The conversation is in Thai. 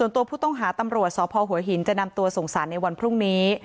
ตัวผู้ต้องหาตำรวจสพหัวหินจะนำตัวส่งสารในวันพรุ่งนี้